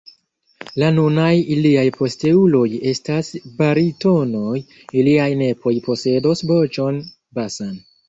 La nunaj iliaj posteuloj estas baritonoj, iliaj nepoj posedos voĉon basan.